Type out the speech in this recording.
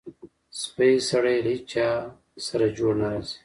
سپی سړی له هېچاسره جوړ نه راځي.